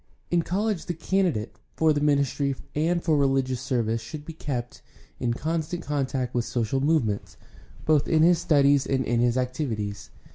— In college the candidate for the ministry and for religious service should be kept in constant contact with social movements, both in his studies and in his activities.